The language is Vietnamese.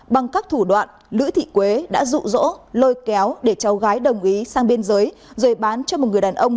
bằng các thủ đoạn lữ thị quế đã rụ rỗ lôi kéo để cháu gái đồng ý sang biên giới rồi bán cho một người đàn ông